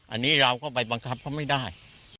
อันนี้เราก็ไปบังคับเขาไม่ได้